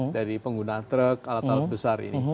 dari pengguna truk alat alat besar ini